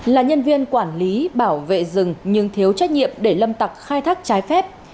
là nhân viên quản lý bảo vệ rừng nhưng thiếu trách nhiệm để lâm tặc khai thác trái phép